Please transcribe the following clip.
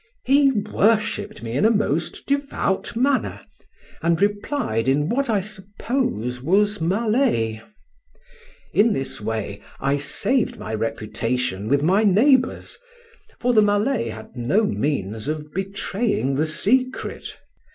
He worshipped me in a most devout manner, and replied in what I suppose was Malay. In this way I saved my reputation with my neighbours, for the Malay had no means of betraying the secret.